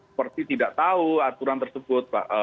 seperti tidak tahu aturan tersebut